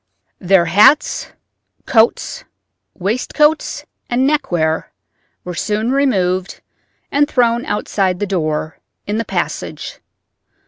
Their hats, coats, waistcoats, and neckwear were soon removed and thrown outside the door, in the passage.